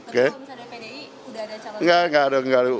kalau misalnya pdip sudah ada calon sendiri